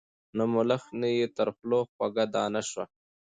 نه ملخ نه یې تر خوله خوږه دانه سوه